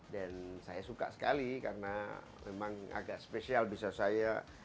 dan saya suka sekali karena memang agak spesial bisa saya